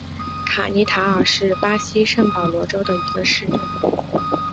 卡尼塔尔是巴西圣保罗州的一个市镇。